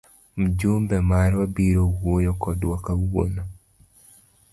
Mjumbe marwa biro wuoyo kodwa kawuono.